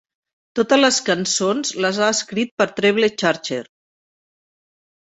Totes les cançons les ha escrit per Treble Charger.